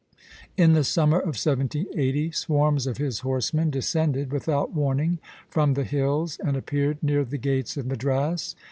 In the summer of 1780 swarms of his horsemen descended without warning from the hills, and appeared near the gates of Madras.